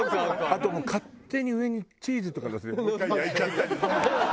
あと勝手に上にチーズとかのせてもう１回焼いちゃったりして。